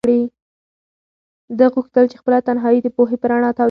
ده غوښتل چې خپله تنهایي د پوهې په رڼا توده کړي.